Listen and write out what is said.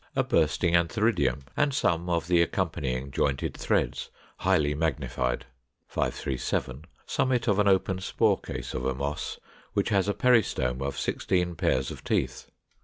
A bursting antheridium, and some of the accompanying jointed threads, highly magnified. 537. Summit of an open spore case of a Moss, which has a peristome of 16 pairs of teeth.